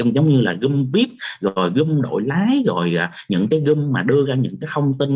giống như là gâm viếp rồi gâm đội lái rồi những cái gâm mà đưa ra những cái thông tin